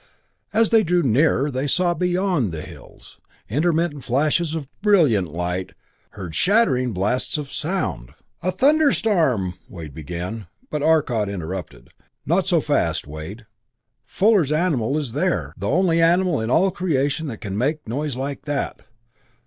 As they drew nearer they saw beyond the hills, intermittent flashes of brilliant light, heard shattering blasts of sound. "A thunderstorm!" Wade began, but Arcot interrupted. "Not so fast, Wade Fuller's animal is there the only animal in all creation that can make a noise like that!